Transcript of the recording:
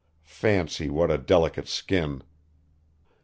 Fancy, what a delicate skin."